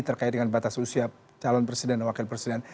terkait dengan batas usia calon presiden dan wakil presiden